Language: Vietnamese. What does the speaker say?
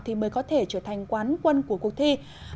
thì mới có thể trở thành quán quân của cuộc thi